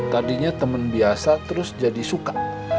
tadinya teman biasa terus jadi suka